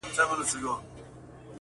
کليوال خلک د موضوع په اړه ډيري خبري کوي,